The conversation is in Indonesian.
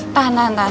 tahan tahan tahan